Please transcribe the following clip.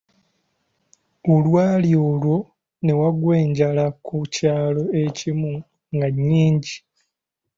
Olwali olwo ne wagwa enjala ku kyalo ekimu nga nnyingi.